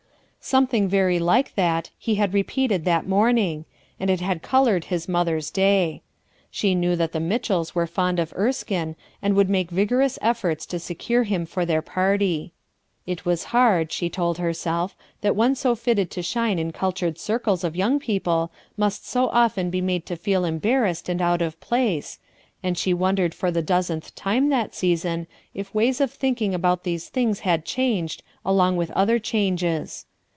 Something very like that he had repeated that morning, and it had colored his mother's day. She knew that the Mitchells were fond of Erskinc and would make vigorous efforts to secure him for their party. It was hard, she told herself, that one so fitted to shine in cul tured circles of young people must so often be made to feel embarrassed and out of place, and she wondered for the dozenth time that season if ways of thinking about these things had changcd ; along with other changes.